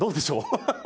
ハハハ。